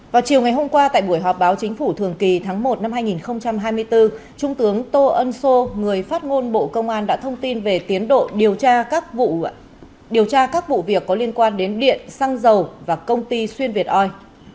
vào chiều ngày hôm qua tại buổi họp báo chính phủ thường kỳ tháng một năm hai nghìn hai mươi bốn trung tướng tô ân sô người phát ngôn bộ công an đã thông tin về tiến độ điều tra các vụ việc có liên quan đến điện xăng dầu và công ty xuyên việt oi